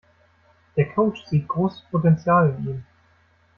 Der Coach sieht großes Potenzial in ihm.